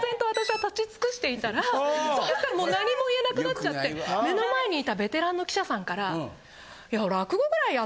私は立ちつくしていたらそしたらもう何も言えなくなっちゃって目の前にいたベテランの記者さんから。